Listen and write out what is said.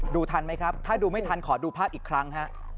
ทันไหมครับถ้าดูไม่ทันขอดูภาพอีกครั้งฮะ